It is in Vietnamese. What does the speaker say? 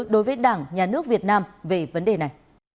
đối với đảng nhà nước việt nam về vấn đề này